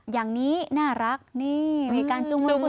อย่างนี้น่ารักนี่มีการจูงมือ